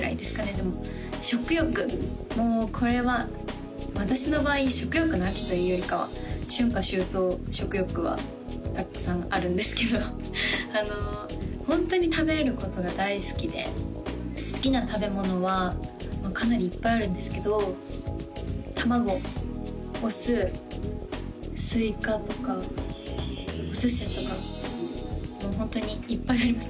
でも食欲もうこれは私の場合食欲の秋というよりかは春夏秋冬食欲はたくさんあるんですけどホントに食べることが大好きで好きな食べものはかなりいっぱいあるんですけど卵お酢スイカとかお寿司とかもうホントにいっぱいあります